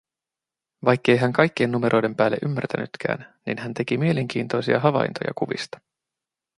Vaikkei hän kaikkien numeroiden päälle ymmärtänytkään, niin hän teki mielenkiintoisia havaintoja kuvista.